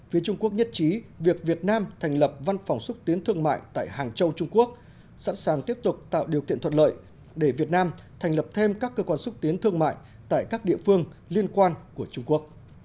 phía trung quốc nhất trí việc việt nam thành lập văn phòng xúc tiến thương mại tại hàng châu trung quốc sẵn sàng tiếp tục tạo điều kiện thuận lợi để việt nam thành lập thêm các cơ quan xúc tiến thương mại tại các địa phương liên quan của trung quốc